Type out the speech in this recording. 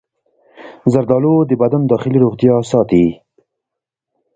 زردآلو د بدن داخلي روغتیا ساتي.